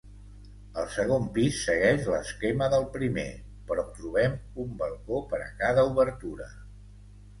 El segon pis segueix l'esquema del primer, però trobem un balcó per a cada obertura.